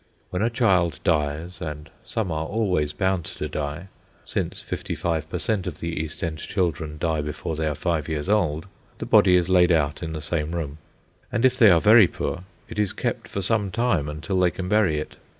When a child dies, and some are always bound to die, since fifty five per cent. of the East End children die before they are five years old, the body is laid out in the same room. And if they are very poor, it is kept for some time until they can bury it.